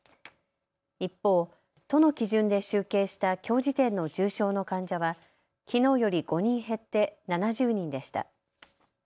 一方、都の基準で集計したきょう時点の重症の患者はきのうより５人減って７０人でした。